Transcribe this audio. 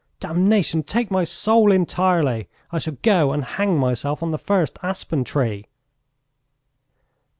Damnation take my soul entirely! I shall go and hang myself on the first aspen tree!"